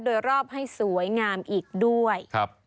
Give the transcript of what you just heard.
โดยรอบให้สวยงามอีกด้วย